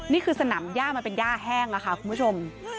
นี่คือสนามย่ามันเป็นย่าแห้งค่ะคุณผู้ชม